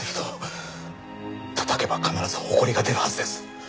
たたけば必ずほこりが出るはずです。